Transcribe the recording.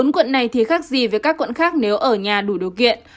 bốn quận này thì khác gì với các quận khác nếu ở nhà đủ điều kiện